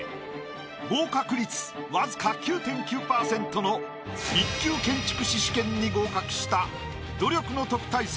合格率僅か９．９％の一級建築士試験に合格した努力の特待生